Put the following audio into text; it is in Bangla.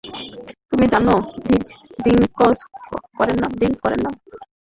তুমি জানো, ভিক ড্রিংকস করেনা।